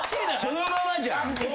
そのままじゃん。